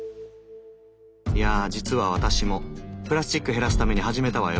いやあ実は私もプラスチック減らすために始めたわよ。